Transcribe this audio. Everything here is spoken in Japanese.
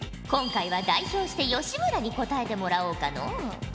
今回は代表して吉村に答えてもらおうかのう。